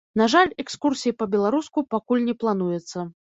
На жаль экскурсій па-беларуску пакуль не плануецца.